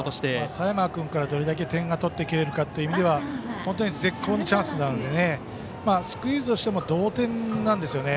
佐山君から、どれだけ点が取れるかという意味では本当に絶好なチャンスなのでスクイズしても同点なんですよね。